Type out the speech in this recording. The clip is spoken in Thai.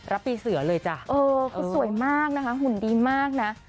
รับปีเสือเลยจ้ะเออคือสวยมากนะคะหุ่นดีมากนะ